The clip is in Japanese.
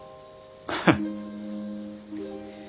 ハッ。